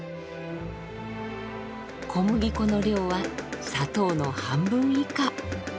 小麦粉の量は砂糖の半分以下。